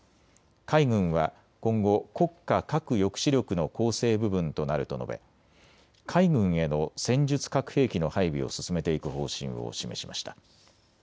海軍は今後、国家核抑止力の構成部分となると述べ海軍への戦術核兵器の配備を進めていく方針を示しました。